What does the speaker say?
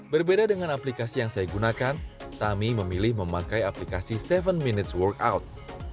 berbeda dengan aplikasi yang saya gunakan tami memilih memakai aplikasi tujuh minutes workout